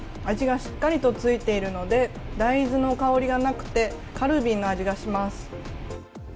味がしっかりとついているので大豆の香りがなくてカルビの味がします。